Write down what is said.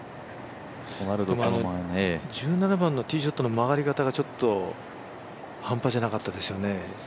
１７番のティーショットの曲がり方がちょっと半端じゃなかったですね。